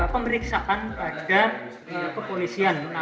pemeriksaan pada kepolisian